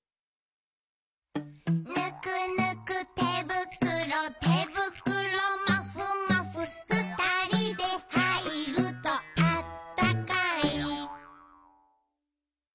「ぬくぬくてぶくろてぶくろもふもふ」「ふたりではいるとあったかい！」